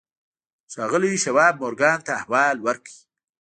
ښاغلي شواب مورګان ته احوال ورکړ.